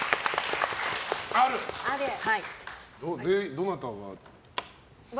どなたが？